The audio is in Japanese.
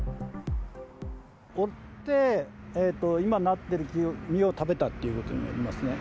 折って、今なっている実を食べたっていうことになりますね。